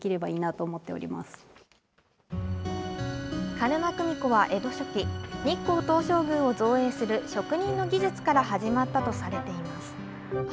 鹿沼組子は江戸初期、日光東照宮を造営する職人の技術から始まったとされています。